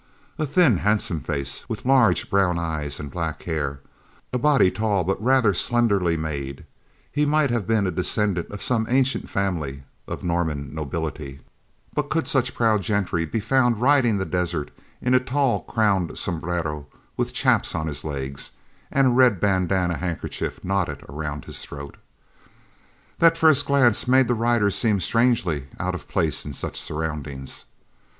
A thin, handsome face with large brown eyes and black hair, a body tall but rather slenderly made he might have been a descendant of some ancient family of Norman nobility; but could such proud gentry be found riding the desert in a tall crowned sombrero with chaps on his legs and a red bandana handkerchief knotted around his throat? That first glance made the rider seem strangely out of place in such surroundings.